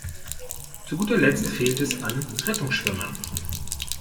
Zu guter Letzt fehlt es an Rettungsschwimmern.